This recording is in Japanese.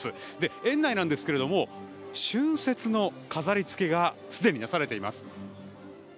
園内なんですが春節の飾りつけがすでになされています。